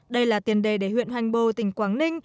đây là tiền đề để huyện hoành bồ tỉnh quảng ninh